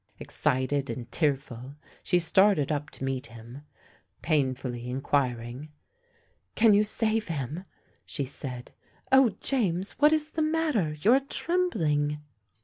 Excited and tearful, she started up to meet him, AN UPSET PRICE 273 painfully inquiring. " Can you save him ?" she said. " Oh, James, what is the matter ? You are trembling."